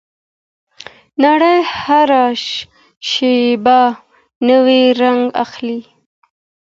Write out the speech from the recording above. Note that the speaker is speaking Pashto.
نړۍ هره شیبه نوی رنګ اخلي.